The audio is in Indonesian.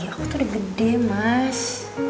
aku tuh udah gede mas